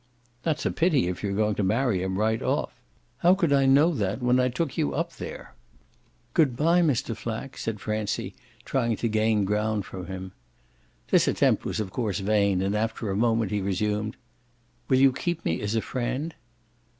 "That's a pity if you're going to marry him right off! How could I know that when I took you up there?" "Good bye, Mr. Flack," said Francie, trying to gain ground from him. This attempt was of course vain, and after a moment he resumed: "Will you keep me as a friend?"